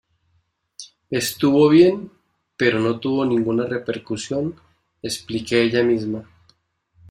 Estuvo bien, pero no tuvo ninguna repercusión", explica ella misma.